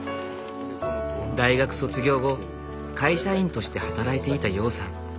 大学卒業後会社員として働いていた陽さん。